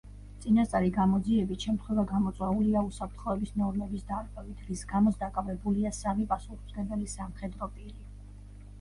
წინასწარი გამოძიებით შემთხვევა გამოწვეულია უსაფრთხოების ნორმების დარღვევით, რის გამოც დაკავებულია სამი პასუხისმგებელი სამხედრო პირი.